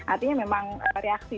artinya memang reaksi